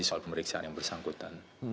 soal pemeriksaan yang bersangkutan